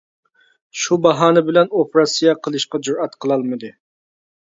شۇ باھانە بىلەن ئوپېراتسىيە قىلىشقا جۈرئەت قىلالمىدى.